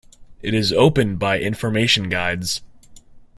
It is opened by information guides.